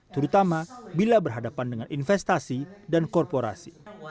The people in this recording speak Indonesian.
terutama bila berhadapan dengan investasi dan korporasi